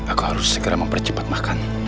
aku harus segera mempercepat makan